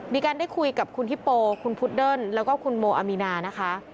ได้คุยกับคุณฮิปโปคุณพุดเดิ้ลแล้วก็คุณโมอามีนานะคะ